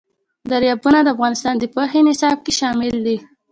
دریابونه د افغانستان د پوهنې نصاب کې شامل دي.